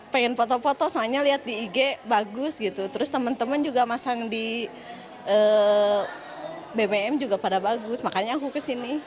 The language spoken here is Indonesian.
pengen foto foto soalnya lihat di ig bagus gitu terus teman teman juga masang di bbm juga pada bagus makanya aku kesini